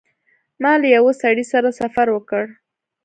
ما له یوه سړي سره سفر وکړ.